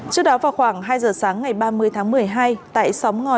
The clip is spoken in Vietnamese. trước đó vào khoảng hai giờ sáng ngày ba mươi tháng một mươi hai